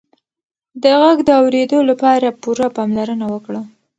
د غږ د اورېدو لپاره پوره پاملرنه وکړه.